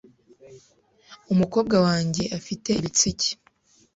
Umukobwa wanjye afite ibitsike .